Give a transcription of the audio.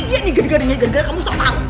ini dia nih garing garingnya kamu usah tau